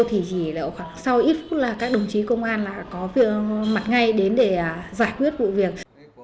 thì chỉ là khoảng sau ít phút là các đồng chí công an là có việc mặt ngay đến để giải quyết vụ việc